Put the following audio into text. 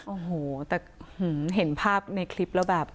โอ้โหแต่เห็นภาพในคลิปแล้วแบบ